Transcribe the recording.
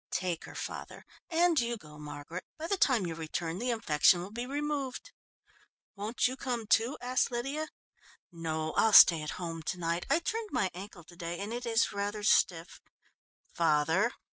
"Take her, father and you go, Margaret. By the time you return the infection will be removed." "Won't you come too?" asked Lydia. "No, I'll stay at home to night. I turned my ankle to day and it is rather stiff. Father!"